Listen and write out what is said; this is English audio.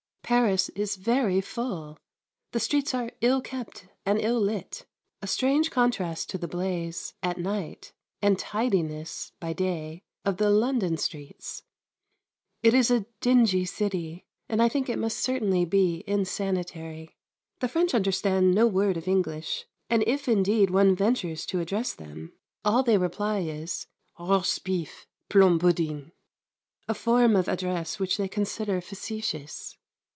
Paris is very full. The streets are ill kept and ill lit, a strange contrast to the blaze (at night) and tidiness (by day) of the London streets. It is a dingy city, and I think it must certainly be insanitary. The French understand no word of English, and if indeed one ventures to address them, all they reply is: "Rosbeef, plom pudding," a form of address which they consider facetious.